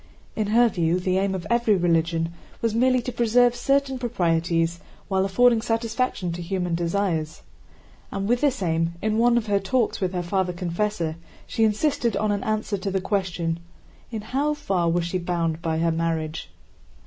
In her view the aim of every religion was merely to preserve certain proprieties while affording satisfaction to human desires. And with this aim, in one of her talks with her Father Confessor, she insisted on an answer to the question, in how far was she bound by her marriage?